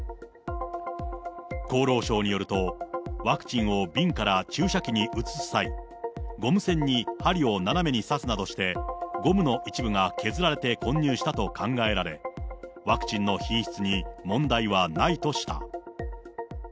厚労省によると、ワクチンを瓶から注射器に移す際、ゴム栓に針を斜めに刺すなどして、ゴムの一部が削られて混入したと考えられ、ワクチンの品質に問題はないとした。